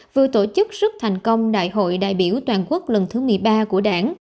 vừa tổ chức rất thành công đại hội đại biểu toàn quốc lần thứ một mươi ba của đảng